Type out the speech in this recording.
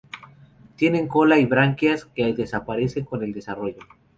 Tienen cola y branquias, que desaparecen con el desarrollo.